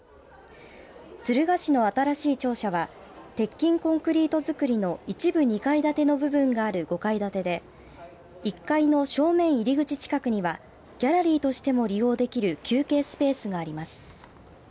敦賀市の新しい庁舎は鉄筋コンクリート造りの一部２階建ての部分がある５階建てで１階の正面入り口近くにはギャラリーとしても利用できる休憩スペースがあります。